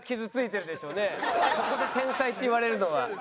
ここで「天才」って言われるのは。